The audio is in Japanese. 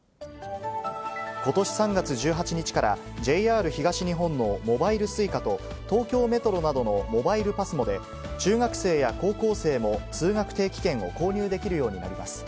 ことし３月１８日から、ＪＲ東日本のモバイルＳｕｉｃａと、東京メトロなどのモバイルＰＡＳＭＯで、中学生や高校生も通学定期券を購入できるようになります。